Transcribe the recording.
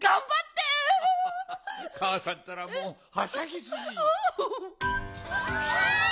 かあさんたらもうはしゃぎすぎ。